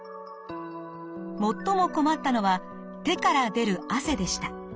最も困ったのは手から出る汗でした。